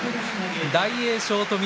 大栄翔と翠